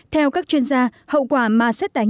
theo các chuyên gia hậu quả mà xét đánh